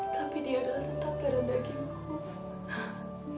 tapi dia adalah tetap dalam dagingku